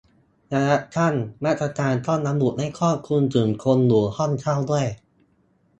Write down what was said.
ระยะสั้น มาตรการต้องระบุให้คลุมถึงคนอยู่ห้องเช่าด้วย